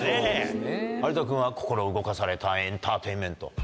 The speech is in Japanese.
心動かされたエンターテインメント。